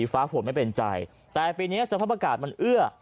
ฟ้าฝนไม่เป็นใจแต่ปีนี้สภาพอากาศมันเอื้อ